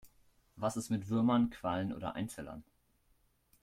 Was ist mit Würmern, Quallen oder Einzellern?